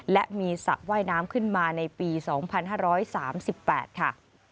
และมีสระว่ายน้ำขึ้นมาในปี๒๕๓๘ค่ะ